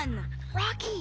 ロッキー。